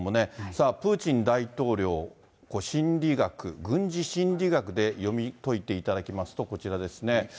さあプーチン大統領、心理学、軍事心理学で読み解いていただきますと、こちらですね。